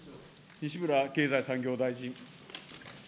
西村経済産業大臣。